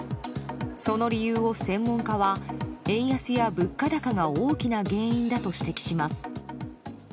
その理由を専門家は円安や物価高が大きな原因だと指摘します。